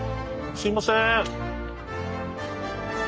すいません。